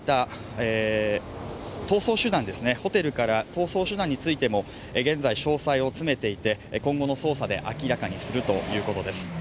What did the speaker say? ホテルからの逃走手段についても現在、詳細を詰めていて、今後の捜査で明らかにするということです。